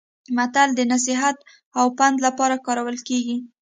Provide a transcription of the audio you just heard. متل د نصيحت او پند لپاره کارول کیږي